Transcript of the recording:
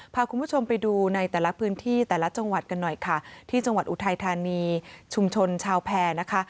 พาคุณผู้ชมไปดูในแต่ละพื้นที่แต่ละจังหวัดกันหน่อยค่ะที่จังหวัดอุทัยธานีชุมชนชาวแพร่นะคะ